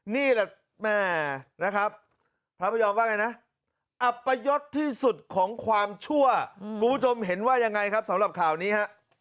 นี่แหละแม่นะครับพระพยอมว่าไงนะอัปยศที่สุดของความชั่วคุณผู้ชมเห็นว่ายังไงครับสำหรับข่าวนี้ฮะ